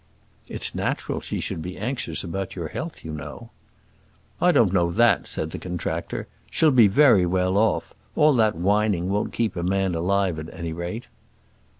"It's natural she should be anxious about your health, you know." "I don't know that," said the contractor. "She'll be very well off. All that whining won't keep a man alive, at any rate."